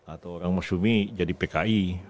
atau orang masyumi jadi pki